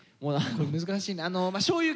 これ難しい。